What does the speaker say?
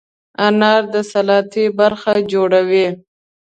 انار د سلاتې برخه جوړوي.